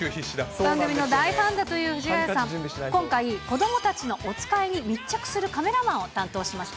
番組の大ファンだという藤ヶ谷さん、今回、子どもたちのおつかいに密着するカメラマンを担当しました。